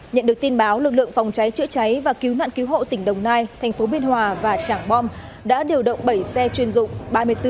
nhận được tin báo lực lượng phòng cháy chữa cháy và cứu nạn cứu hộ tỉnh đồng nai thành phố biên hòa và trảng bom đã điều động bảy xe chuyên dụng